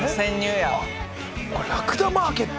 あっこれラクダマーケット。